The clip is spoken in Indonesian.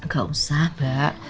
gak usah mbak